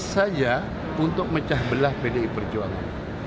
saja untuk mecah belah pdi perjuangan